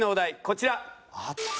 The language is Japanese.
こちら！